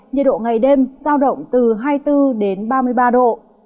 nhiệt độ ngày đêm giao động từ hai mươi bốn đến ba mươi ba độ